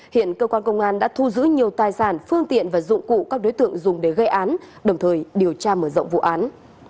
hiện cơ quan công an đã thu giữ nhiều tài sản phương tiện và dụng cụ các đối tượng dùng để gây án đồng thời điều tra mở rộng vụ án